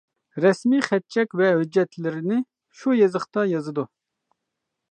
رەسمىي خەت-چەك ۋە ھۆججەتلىرىنى شۇ يېزىقتا يازىدۇ.